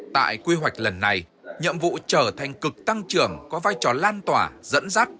tại quy hoạch lần này nhiệm vụ trở thành cực tăng trưởng có vai trò lan tỏa dẫn dắt